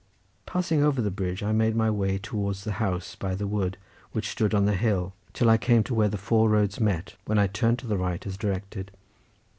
Passing over the bridge I made my way towards the house by the wood which stood on the hill till I came where the four roads met, when I turned to the right as directed.